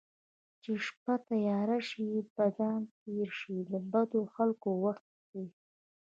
چې شپه تیاره شي بدان تېره شي د بدو خلکو وخت ښيي